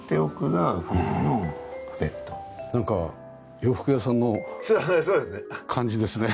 なんか洋服屋さんの感じですね。